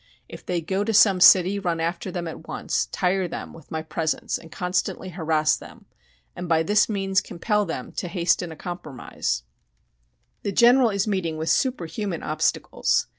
If they go to some city run after them at once, tire them with my presence and constantly harass them, and by this means compel them to hasten a compromise " The General is meeting with superhuman obstacles.